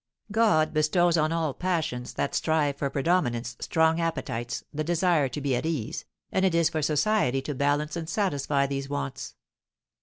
God bestows on all passions that strive for predominance, strong appetites, the desire to be at ease, and it is for society to balance and satisfy these wants.